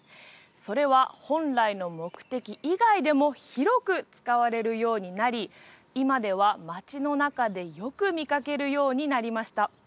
それは本来の目的以外でも広く使われるようになり今では街の中でよく見かけるようになりました